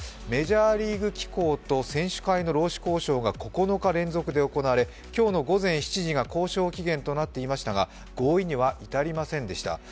メジャーリーグ機構と選手会の労使交渉が９日連続で行われ、今日の午前７時が交渉期限となっていましたが、合意には至りませんでした。